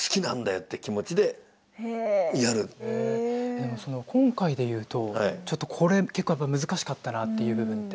でもその今回で言うとちょっとこれ結構やっぱ難しかったなっていう部分って。